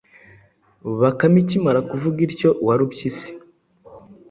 Bakame ikimara kuvuga ityo, Warupyisi